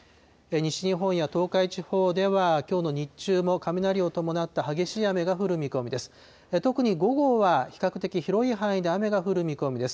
西日本や東海地方では、きょうの日中も雷を伴った激しい雨が降る見込みです。